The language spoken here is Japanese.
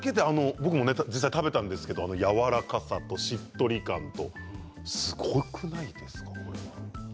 僕も実際に食べたんですがやわらかさと、しっとり感とすごくないですか。